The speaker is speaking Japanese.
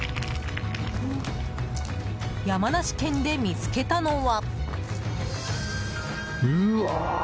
山梨県で見つけたのは。